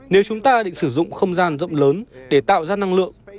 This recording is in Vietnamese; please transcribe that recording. nếu chúng ta định sử dụng không gian rộng lớn để tạo ra năng lượng